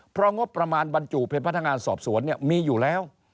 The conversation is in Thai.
เพราะงบประมาณบรรจุเป็นพนักงานสอบสวนเนี่ยมีอยู่แล้ว